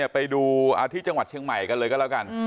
ไปดูที่จังหวัดเชียงใหม่กันเลยก็แล้วกัน